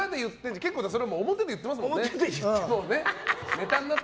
結構、表で言ってますもんね。